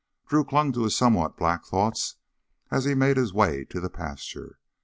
Drew clung to his somewhat black thoughts as he made his way to the pasture.